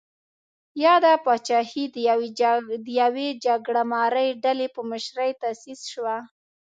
یاده پاچاهي د یوې جګړه مارې ډلې په مشرۍ تاسیس شوه.